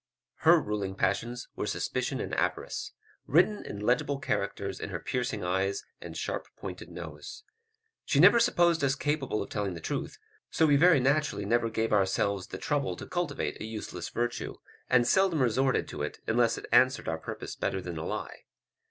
Her ruling passions were suspicion and avarice, written in legible characters in her piercing eyes and sharp pointed nose. She never supposed us capable of telling the truth, so we very naturally never gave ourselves the trouble to cultivate a useless virtue, and seldom resorted to it unless it answered our purpose better than a lie.